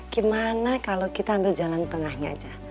gimana kalau kita ambil jalan tengahnya aja